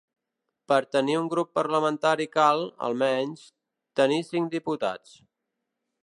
Per a tenir un grup parlamentari cal, almenys, tenir cinc diputats.